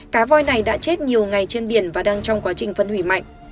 cá voi này đã chết nhiều ngày trên biển và đang trong quá trình phân hủy mạnh